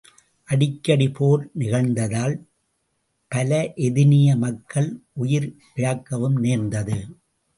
அடிக்கடி போர் நிகழ்ந்ததால் பல எதினிய மக்கள் உயிர் இமுக்கவும் நேர்ந்தது.